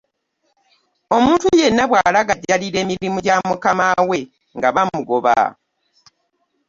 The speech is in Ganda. Omuntu yenna bwalagajjalira emirimu gya mukama we nga bamugoba .